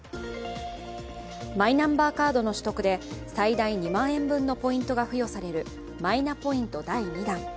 マイナンバーカードの取得で最大２万円分のポイントが付与されるマイナポイント第２弾。